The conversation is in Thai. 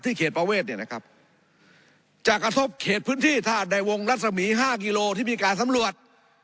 เขตประเวทเนี่ยนะครับจะกระทบเขตพื้นที่ธาตุในวงรัศมี๕กิโลที่มีการสำรวจ